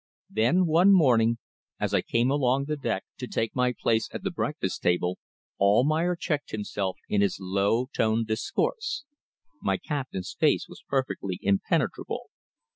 Then one morning as I came along the deck to take my place at the breakfast table Almayer checked himself in his low toned discourse. My captain's face was perfectly impenetrable.